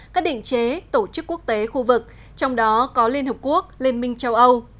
các tổ chức quốc tế khu vực trong đó có liên hợp quốc liên minh châu âu